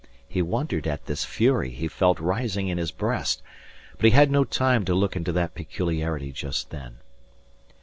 He wondered at this fury he felt rising in his breast. But he had no time to look into that peculiarity just then.